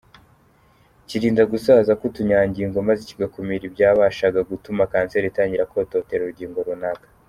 Kirinda gusaza k’utunyangingo maze kigakumira ibyabashaga gutuma kanseri itangira kototera urugingo runaka.